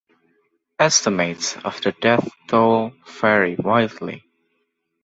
Estimates of the death toll vary wildly.